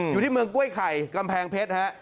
อยู่ที่เมืองกล้วยไข่กำแพงเพชรฮะ